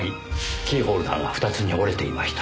キーホルダーが２つに折れていました。